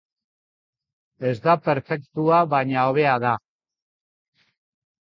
Ez da perfektua, baina hobea da.